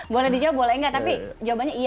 boleh dijawab boleh enggak tapi jawabannya iya